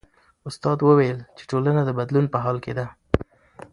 استاد وویل چې ټولنه د بدلون په حال کې ده.